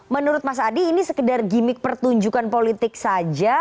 menurut mas adi ini sekedar gimmick pertunjukan politik saja